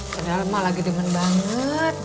padahal mah lagi demen banget